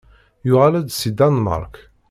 Yuɣal-d seg Danmark.